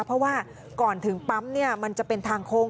เพราะว่าก่อนถึงปั๊มมันจะเป็นทางโค้ง